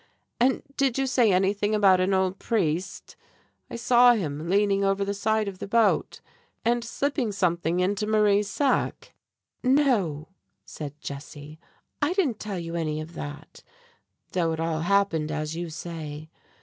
And did you say anything about an old priest? I saw him leaning over the side of the boat and slipping something into Mane's sack." "No," said Jessie, "I didn't tell you any of that, though it all happened as you say.